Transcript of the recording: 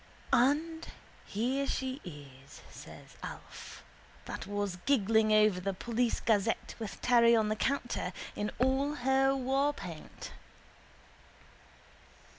—And here she is, says Alf, that was giggling over the Police Gazette with Terry on the counter, in all her warpaint.